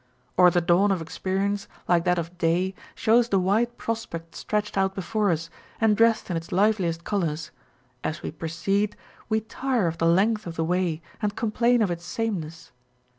Or the dawn of experience, like that of day, shows the wide prospect stretched out before us, and dressed in its liveliest colours ; as we proceed, we tire of the length of the way and com plain of its sameness.